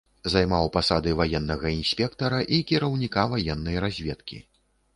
Займаў пасады ваеннага інспектара і кіраўніка ваеннай разведкі.